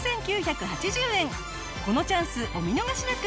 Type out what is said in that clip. このチャンスお見逃しなく。